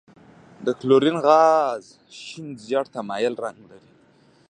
د کلورین غاز شین زیړ ته مایل رنګ لري.